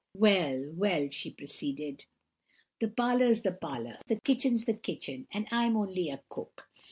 "Well, well," she proceeded, "the parlour's the parlour, and the kitchen's the kitchen, and I'm only a cook.